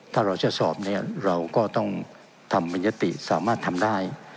ถ้าเราจะสอบเนี่ยเราก็ต้องทำเป็นยติสามารถทำได้